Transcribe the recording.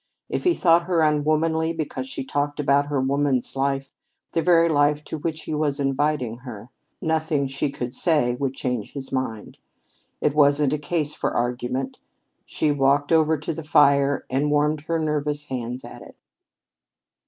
If he thought her unwomanly because she talked about her woman's life, the very life to which he was inviting her, nothing she could say would change his mind. It wasn't a case for argument. She walked over to the fire and warmed her nervous hands at it.